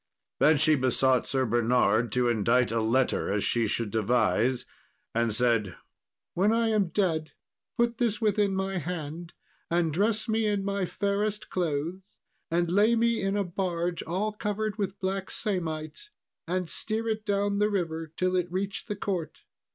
Then she besought Sir Bernard to indite a letter as she should devise, and said, "When I am dead put this within my hand, and dress me in my fairest clothes, and lay me in a barge all covered with black samite, and steer it down the river till it reach the court.